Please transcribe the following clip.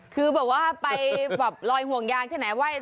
คือแบบว่าไปแบบลอยห่วงยางที่ไหนไหว้